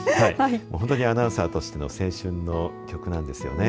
本当にアナウンサーとしての青春の曲なんですよね。